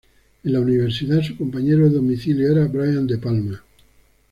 En la universidad, su compañero de domicilio era Brian De Palma.